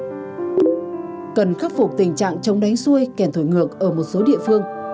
chính phủ cần khắc phục tình trạng chống đánh xuôi kèn thổi ngược ở một số địa phương